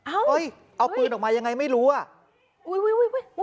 เอ่อโอ้ยเอาปืนออกมาอย่างไรไม่รู้อะ